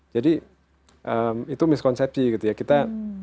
jadi itu miskonsepsi gitu ya